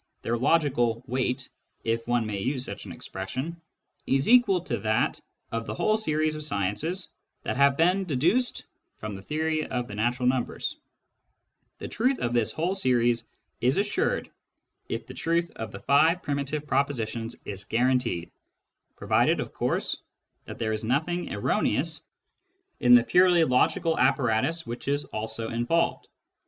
Their logical " weight," if one may use such an expression, is equal to that of the whole series of sciences that have been deduced from the theory of the natural numbers ; the truth of this whole series is assured if the truth of the five primitive propositions is guaranteed, provided, of course, that there is nothing erroneous in the purely logical apparatus which is also involved.